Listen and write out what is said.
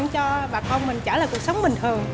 cho bà con mình trở lại cuộc sống bình thường